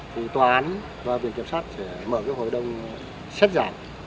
thì tòa án và viện kiểm sát sẽ mở cái hội đồng xét giảm